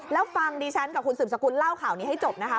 แล้วฟังดิฉันกับคุณสืบสกุลเล่าข่าวนี้ให้จบนะคะ